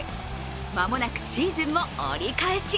間もなくシーズンも折り返し。